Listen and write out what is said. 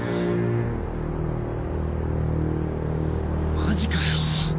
マジかよ！？